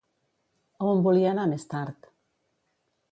A on volia anar més tard?